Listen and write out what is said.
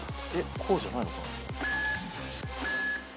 こうじゃないのかな？